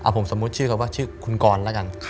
ผมสมมุติชื่อเขาว่าชื่อคุณกรแล้วกัน